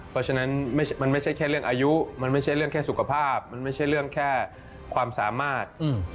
เพราะฉะนั้นมันไม่ใช่แค่เรื่องอายุมันไม่ใช่เรื่องแค่สุขภาพมันไม่ใช่เรื่องแค่ความสามารถ